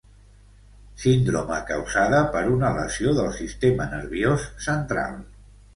Síndrome causada per una lesió del sistema nerviós central.